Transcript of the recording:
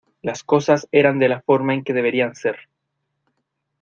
Las cosas eran de la forma en que deberían ser